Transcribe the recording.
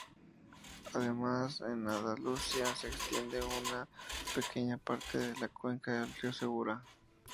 Además en Andalucía se extiende una pequeña parte de la cuenca del río Segura.